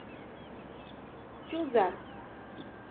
Чуза!